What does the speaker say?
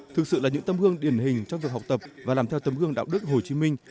thực sự là những tâm hương điển hình trong việc học tập và làm theo tấm gương đạo đức hồ chí minh